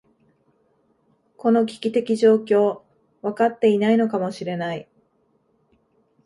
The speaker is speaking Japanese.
この危機的状況、分かっていないのかもしれない。